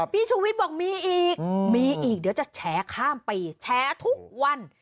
พี่สุวิตย์บอกมีอีกมีอีกเดี๋ยวจะแช้ข้ามไปแช้ทุกวัน